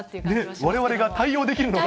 われわれが対応できるのか。